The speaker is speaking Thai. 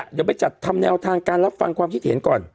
เดี๋ยวไปจัดทำแนวทางการรับฟังความคิดเห็นก่อน